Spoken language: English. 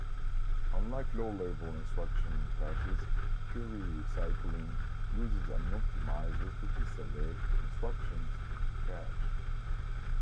Unlike low-level instruction caches, query recycling uses an optimizer to pre-select instructions to cache.